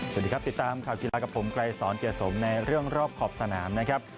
สวัสดีครับติดตามข่าวกีฬากับผมไกรสอนเกียรติสมในเรื่องรอบขอบสนามนะครับ